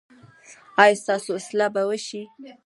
ایا ستاسو اصلاح به وشي؟